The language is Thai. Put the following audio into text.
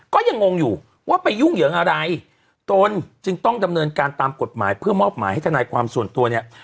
ก็ยังงงอยู่ว่าไปยุ่งเหยิงอะไรตนจึงต้องดำเนินการตามกฎหมายเพื่อมอบหมายให้ทนายความส่วนตัวเนี่ย